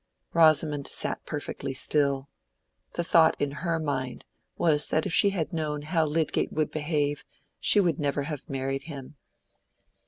Rosamond sat perfectly still. The thought in her mind was that if she had known how Lydgate would behave, she would never have married him.